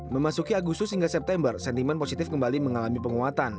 memasuki agustus hingga september sentimen positif kembali mengalami penguatan